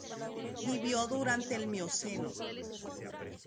Vivió durante el Mioceno.